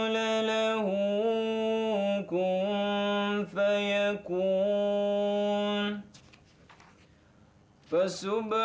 mama kenapa mama gak suka